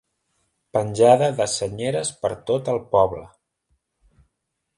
Penjada de senyeres per tot el poble.